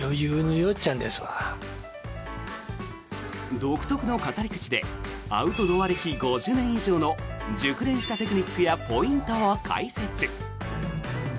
独特の語り口でアウトドア歴５０年以上の熟練したテクニックやポイントを解説。